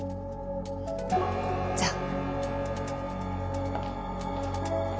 じゃあ。